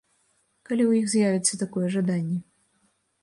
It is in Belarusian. Калі ў іх з'явіцца такое жаданне.